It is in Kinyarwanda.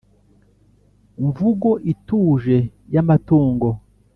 mvugo ituje ya matungo